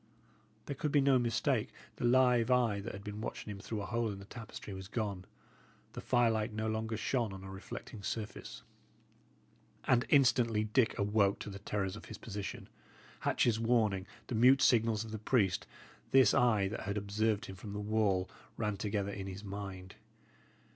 There could be no mistake. The live eye that had been watching him through a hole in the tapestry was gone. The firelight no longer shone on a reflecting surface. And instantly Dick awoke to the terrors of his position. Hatch's warning, the mute signals of the priest, this eye that had observed him from the wall, ran together in his mind.